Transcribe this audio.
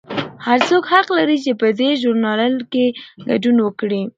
هر څوک حق لري چې په دې ژورنال کې ګډون وکړي.